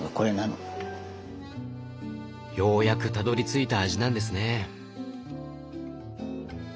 ようやくたどりついた味なんですね。